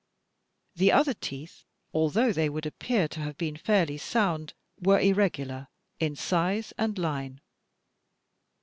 The other teeth, although they would appear to have been fairly soimd, were irregular in size and line.